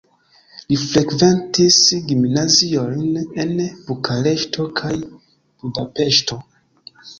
Li frekventis gimnaziojn en Bukareŝto kaj Budapeŝto.